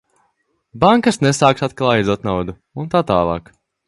Bankas nesāks atkal aizdot naudu un tā tālāk.